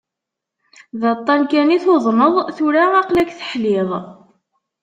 D aṭṭan kan i tuḍneḍ, tura aql-ik teḥliḍ.